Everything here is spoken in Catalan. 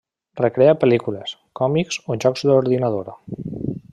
Recrea pel·lícules, còmics o jocs d’ordinador.